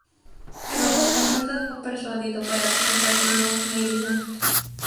Ross entonces fue persuadido para atacar Baltimore, Maryland.